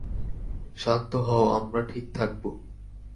শান্ত হও, আমরা ঠিক থাকব।